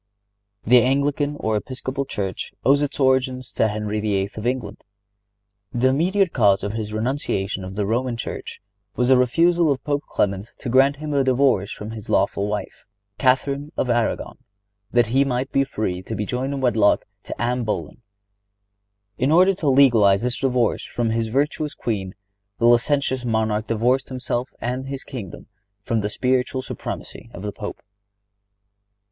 The Anglican or Episcopal Church owes its origin to Henry VIII. of England. The immediate cause of his renunciation of the Roman Church was the refusal of Pope Clement to grant him a divorce from his lawful wife, Catharine of Aragon, that he might be free to be joined in wedlock to Anne Boleyn. In order to legalize his divorce from his virtuous queen the licentious monarch divorced himself and his kingdom from the spiritual supremacy of the Pope.